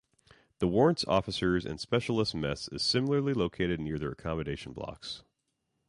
The Warrant Officers' and Specialists' Mess is similarly located near their accommodation blocks.